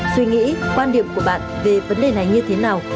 suy nghĩ quan điểm của bạn về vấn đề này như thế nào